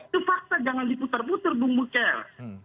itu fakta itu fakta jangan diputar putar bung buker